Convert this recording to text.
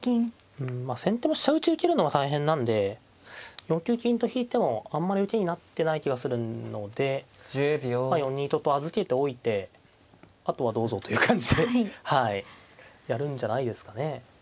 うん先手も飛車打ち受けるのが大変なんで４九金と引いてもあんまり受けになってない気はするので４二とと預けておいてあとはどうぞという感じでやるんじゃないですかね。